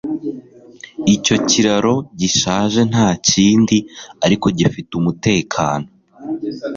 Icyo kiraro gishaje ntakindi ariko gifite umutekano